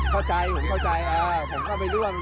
เข้าใจผมเข้าใจผมเข้าไปด้วย